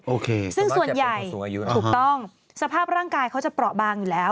โอเคซึ่งส่วนใหญ่ถูกต้องสภาพร่างกายเขาจะเปราะบางอยู่แล้ว